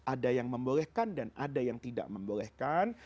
ada yang membolehkan dan ada yang tidak membolehkan